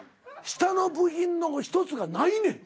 下の部品の１つがないねん。